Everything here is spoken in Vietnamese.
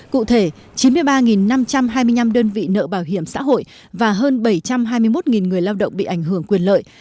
cụ thể chín mươi ba năm trăm hai mươi năm đơn vị nợ bảo hiểm xã hội và hơn bảy trăm hai mươi một người lao động bị ảnh hưởng quyền lợi